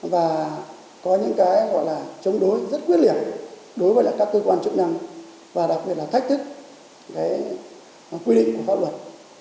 và có những cái gọi là chống đối rất quyết liệt đối với các cơ quan chức năng và đặc biệt là thách thức quy định của pháp luật